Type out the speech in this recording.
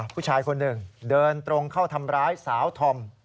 ผู้ชายคนหนึ่งเดินตรงเข้าทำร้ายสาวธอม